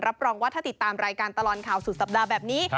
รองว่าถ้าติดตามรายการตลอดข่าวสุดสัปดาห์แบบนี้